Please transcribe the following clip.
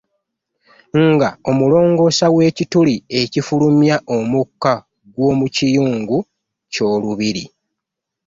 Nga omulongosa wekituli ekifulumya omuka gw'omukiyungu ky'olubiri.